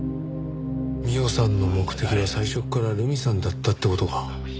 美緒さんの目的は最初から留美さんだったって事か。